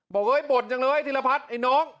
บอกเอ้ยบ่นจังเลยธิรพัฒน์ไอ้น้อง